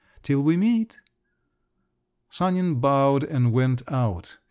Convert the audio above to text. "Till we meet!" Sanin bowed and went out.